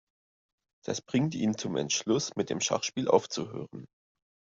Das bringt ihn zum Entschluss, mit dem Schachspiel aufzuhören.